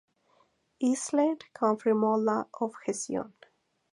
Eastland confirmó la objeción.